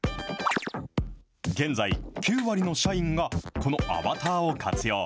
現在、９割の社員がこのアバターを活用。